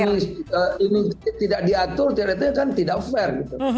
kalau ini tidak diatur ternyata kan tidak fair